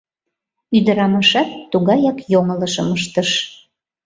Ӱдырамашат тугаяк йоҥылышым ыштыш.